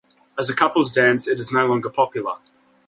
As a couple's dance, it is no longer popular.